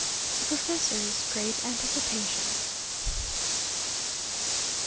THE PROFESSOR'S GREAT ANTICIPATIONS.